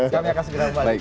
kami akan segera membalik